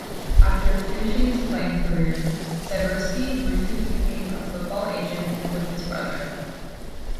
After finishing his playing career, Sibierski briefly became a football agent with his brother.